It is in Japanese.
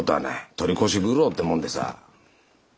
取り越し苦労ってもんでさ。